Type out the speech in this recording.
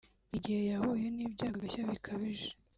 ni igihe yahuye n’ibyago agashya bikabije